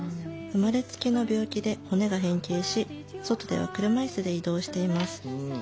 生まれつきの病気で骨が変形し外では車いすで移動しています。